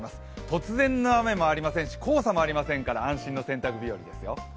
突然の雨もありませんし黄砂もありませんから安心の洗濯日和ですよ。